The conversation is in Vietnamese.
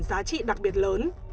giá trị đặc biệt lớn